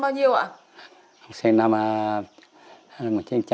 ông ơi ông sinh năm bao nhiêu ạ